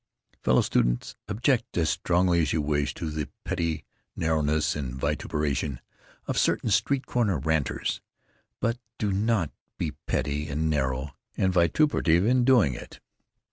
"Fellow students, object as strongly as you wish to the petty narrowness and vituperation of certain street corner ranters, but do not be petty and narrow and vituperative in doing it!